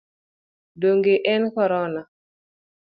Donge en Korona?